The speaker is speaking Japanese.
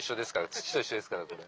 土と一緒ですからこれ。